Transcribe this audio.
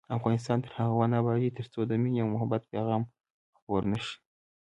افغانستان تر هغو نه ابادیږي، ترڅو د مینې او محبت پیغام خپور نشي.